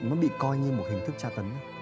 nó bị coi như một hình thức tra tấn